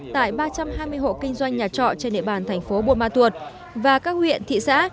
tại ba trăm hai mươi hộ kinh doanh nhà trọ trên địa bàn thành phố buôn ma thuột và các huyện thị xã